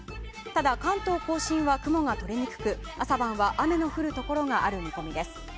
ただ、関東・甲信は雲が取れにくく朝晩は雨の降るところがある見込みです。